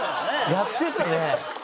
やってたね。